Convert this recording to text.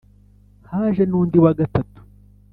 Haje n undi wa gatatu